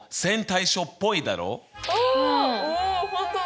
お本当だ！